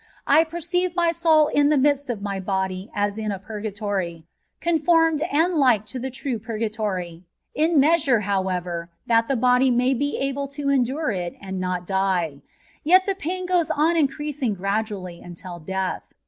I perceive my soni in the midst of my body as in a purgatory, conformed and like to the true purgatory, in measure, however, that the body may be able to endure it and not die; yet the pain goes on increasing gradually until death.